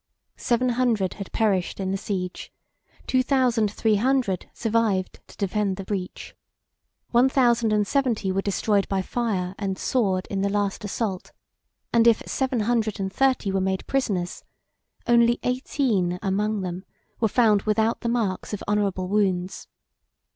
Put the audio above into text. Seven hundred had perished in the siege, two thousand three hundred survived to defend the breach. One thousand and seventy were destroyed with fire and sword in the last assault; and if seven hundred and thirty were made prisoners, only eighteen among them were found without the marks of honorable wounds.